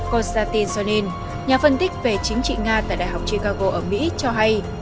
konstantin johnin nhà phân tích về chính trị nga tại đại học chicago ở mỹ cho hay